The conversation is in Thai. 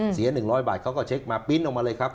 ๑๐๐บาทเขาก็เช็คมาปิ้นออกมาเลยครับ